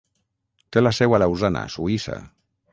Té la seu a Lausana, Suïssa.